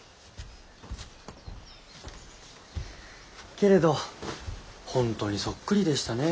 けれど本当にそっくりでしたねえ